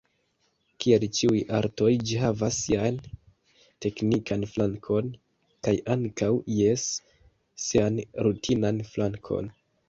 Kiel ĉiuj artoj, ĝi havas sian teknikan flankon, kaj ankaŭ, jes, sian rutinan flankon.